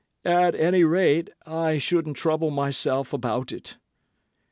"At any rate, I shouldn't trouble myself about it."